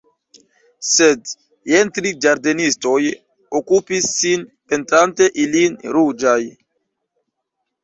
Sed jen tri ĝardenistoj okupis sin pentrante ilin ruĝaj.